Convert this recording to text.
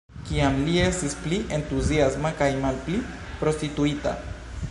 Kiam li estis pli entuziasma kaj malpli prostituita.